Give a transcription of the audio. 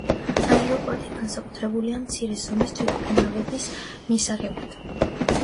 აეროპორტი განკუთვნილია მცირე ზომის თვითმფრინავების მისაღებად.